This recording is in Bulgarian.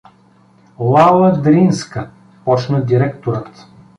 — Лала Дринска — почна директорът.